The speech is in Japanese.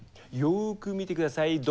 よく見てください。